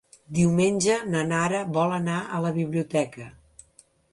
Diumenge na Nara vol anar a la biblioteca.